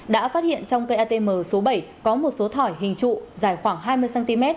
đã phát hiện trong cây atm số bảy có một số thỏi hình trụ dài khoảng hai mươi cm